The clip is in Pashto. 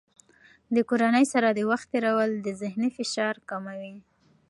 د کورنۍ سره د وخت تېرول د ذهني فشار کموي.